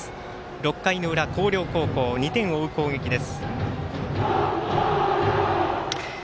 ６回の裏、広陵高校２点を追う攻撃です。